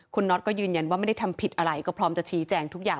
คุณน็อตก็ยืนยันว่าไม่ได้ทำผิดอะไรก็พร้อมจะชี้แจงทุกอย่าง